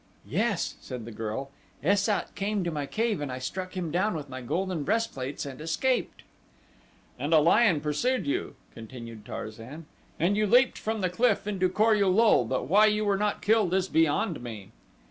"Yes," said the girl, "Es sat came to my cave and I struck him down with my golden breastplates and escaped." "And a lion pursued you," continued Tarzan, "and you leaped from the cliff into Kor ul lul, but why you were not killed is beyond me."